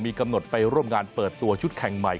กำหนดไปร่วมงานเปิดตัวชุดแข่งใหม่